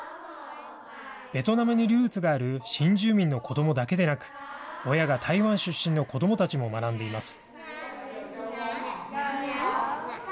ベトナムにルーツがある新住民の子どもだけでなく、親が台湾出身の子どもたちも学んでいます。